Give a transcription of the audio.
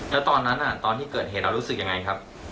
แล้วตอนนั้นตอนที่เกิดเหตุเรารู้สึกยังไงครับ